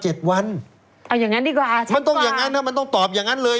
เอาอย่างนั้นดีกว่าชัดกว่าอันนั้นมันต้องตอบอย่างนั้นเลย